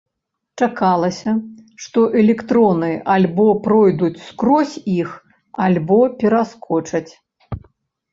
Чакалася, што электроны альбо пройдуць скрозь іх, альбо пераскочаць.